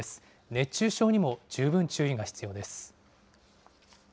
熱中症にも十分注意が必要です。